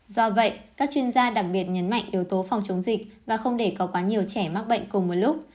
do vậy các chuyên gia đặc biệt nhấn mạnh yếu tố phòng chống dịch và không để có quá nhiều trẻ mắc bệnh cùng một lúc